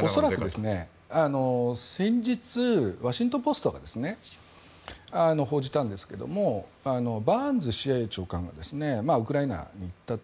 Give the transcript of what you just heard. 恐らく、先日ワシントン・ポストが報じたんですがバーンズＣＩＡ長官がウクライナに行ったと。